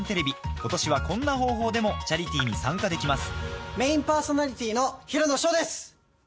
今年はこんな方法でもチャリティーに参加できます